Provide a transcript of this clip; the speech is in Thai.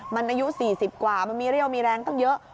มันอายุ๔๐กว่ามันมีเรี่ยวมีแรงตั้งเยอะ